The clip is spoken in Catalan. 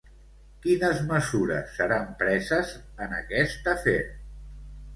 Quines mesures seran preses en aquest afer?